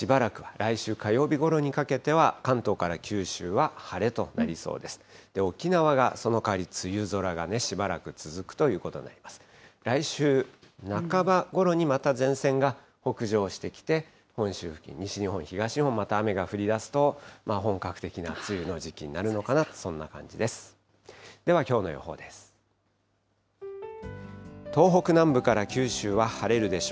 来週半ばごろにまた前線が北上してきて、本州付近、西日本、東日本、また雨が降りだすと、本格的な梅雨の時期になるのかなと、そんな感じです。